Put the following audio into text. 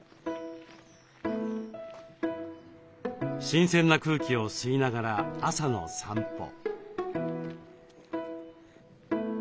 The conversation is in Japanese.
新鮮な空気を吸いながら朝の散歩。